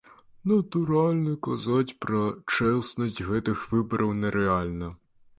Натуральна, казаць пра чэснасць гэтых выбараў нерэальна.